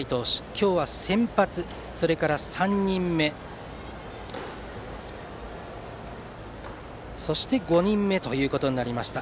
今日は先発、それから３人目そして５人目となりました。